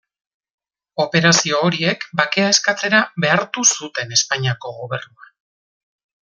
Operazio horiek bakea eskatzera behartu zuten Espainiako gobernua.